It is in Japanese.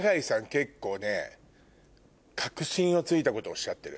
結構ね核心を突いたことおっしゃってる。